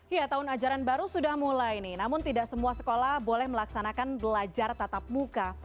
ya tahun ajaran baru sudah mulai nih namun tidak semua sekolah boleh melaksanakan belajar tatap muka